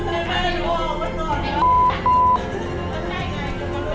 อย่าเอามันเดินเข้ามา